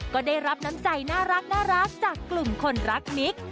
ก็ได้รับน้ำใจน่ารักจากกลุ่มคนรักมิก